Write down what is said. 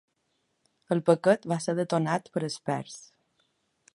El paquet va ser detonat per experts.